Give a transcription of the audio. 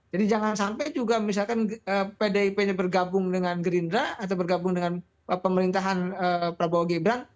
jadi jangan sampai juga misalkan pdip nya bergabung dengan gerindra atau bergabung dengan pemerintahan prabowo gebrang